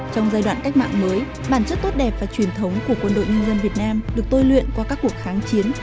trong giai đoạn cách mạng mới bản chất tốt đẹp và truyền thống của quân đội nhân dân việt nam được tôi luyện qua các cuộc kháng chiến